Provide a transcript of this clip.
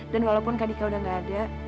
dan walaupun kak dika udah gak ada